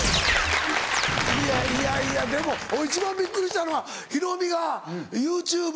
いやいやいやでも一番びっくりしたのはヒロミがＹｏｕＴｕｂｅ。